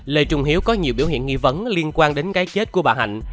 lê trung hiếu có nhiều biểu hiện nghi vấn liên quan đến cái chết của bà hạnh